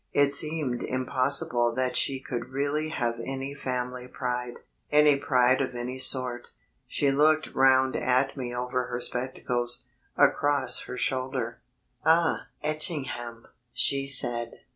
It seemed impossible that she could really have any family pride, any pride of any sort. She looked round at me over her spectacles, across her shoulder. "Ah ... Etchingham," she said.